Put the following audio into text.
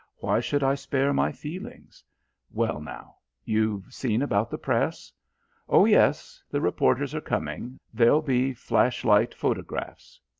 Why should I spare my feelings? Well, now, you've seen about the Press?" "Oh, yes. The reporters are coming. There'll be flash light photographs.